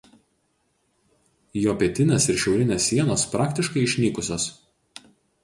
Jo pietinės ir šiaurinės sienos praktiškai išnykusios.